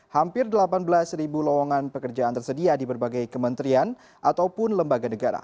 hampir delapan belas lowongan pekerjaan tersedia di berbagai kementerian ataupun lembaga negara